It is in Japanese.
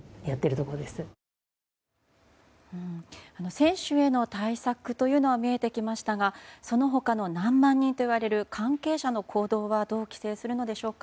選手への対策というのは見えてきましたがその他の何万人といわれる関係者の行動はどう規制するのでしょうか。